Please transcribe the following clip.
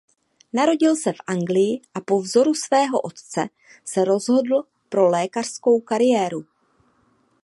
Narodil se v Anglii a po vzoru svého otce se rozhodl pro lékařskou kariéru.